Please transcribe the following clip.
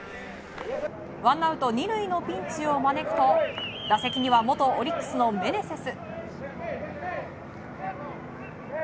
ワンアウト２塁のピンチを招くと打席には元オリックスのメネセス。